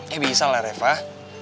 ya bisa lah refah